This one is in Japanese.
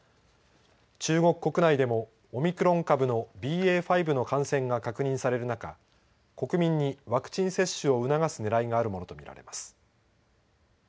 中国国内でもオミクロン株のＢＡ．５の感染が確認される中国民にワクチン接種を促すねらいがあるものとみられます。